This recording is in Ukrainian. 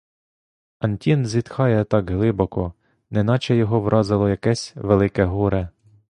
Антін зітхає так глибоко, неначе його вразило якесь велике горе.